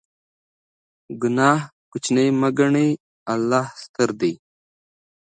ګناه کوچنۍ مه ګڼئ، الله ستر دی.